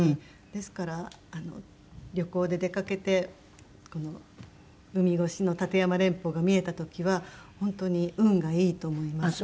ですから旅行で出かけてこの海越しの立山連峰が見えた時は本当に運がいいと思います。